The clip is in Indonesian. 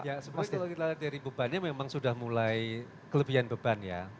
ya semua kalau kita lihat dari bebannya memang sudah mulai kelebihan beban ya